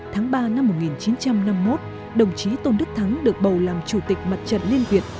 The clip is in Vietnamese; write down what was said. tháng ba năm một nghìn chín trăm năm mươi một đồng chí tôn đức thắng được bầu làm chủ tịch mặt trận liên việt